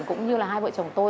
cũng như là hai vợ chồng tôi